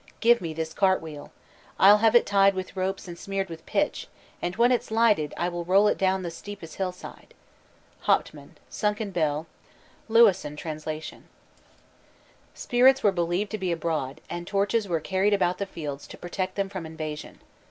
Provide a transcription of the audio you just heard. Give me this cart wheel. I'll have it tied with ropes and smeared with pitch, And when it's lighted, I will roll it down The steepest hillside." HAUPTMANN: Sunken Bell. (Lewisohn trans.) Spirits were believed to be abroad, and torches were carried about the fields to protect them from invasion.